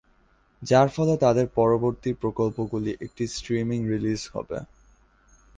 যার ফলে তাদের পরবর্তী প্রকল্পগুলি একটি স্ট্রিমিং রিলিজ হবে।